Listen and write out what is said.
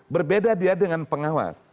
berbeda dia dengan pengawas